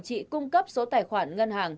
chị cung cấp số tài khoản ngân hàng